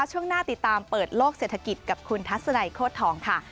ช่วงหน้าติดตามเปิดโลกเศรษฐกิจกับคุณทัศนัยโคตรทองค่ะ